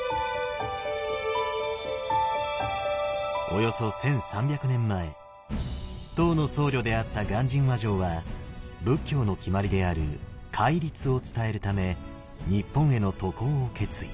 およそ１，３００年前唐の僧侶であった鑑真和上は仏教の決まりである戒律を伝えるため日本への渡航を決意。